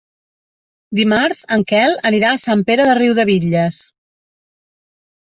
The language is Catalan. Dimarts en Quel anirà a Sant Pere de Riudebitlles.